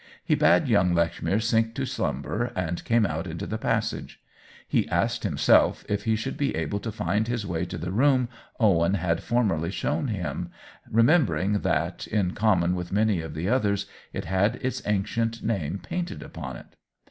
He bade young Lechmere sink to slumber, and came out into the passage. He asked himself if he should be able to find his way to the room Owen had for merly shown him, remembering that, in com mon with many of the others, it had its ancient name painted upon it.